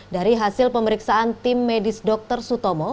dari hasil pemeriksaan tim medis dr sutomo